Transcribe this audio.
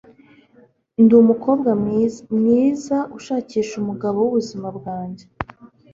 ndi umukobwa mwiza, mwiza-ushakisha umugabo wubuzima bwanjye